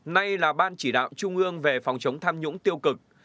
nay là ban chỉ đạo trung ương về phòng chống tham nhũng tiêu cực